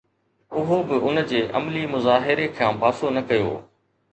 اهو به ان جي عملي مظاهري کان پاسو نه ڪيو